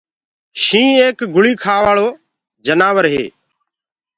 شيِنهيٚنَ ايڪ گوشتکور جآنور هي۔